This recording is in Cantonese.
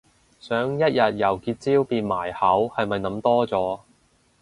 想一日由結焦變埋口係咪諗多咗